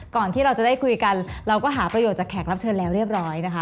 ก่อนที่เราจะได้คุยกันเราก็หาประโยชน์จากแขกรับเชิญแล้วเรียบร้อยนะคะ